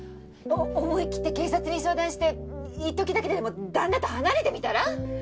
思いきって警察に相談していっときだけでも旦那と離れてみたら？